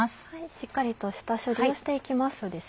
しっかりと下処理をして行きます。